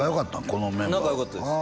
このメンバー仲良かったです